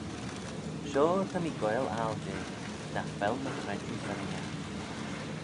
Shoh ta mee goaill aggle jeh, nagh vel my chredjue firrinagh.